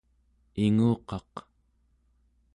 inguqaq